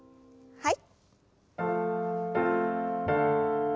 はい。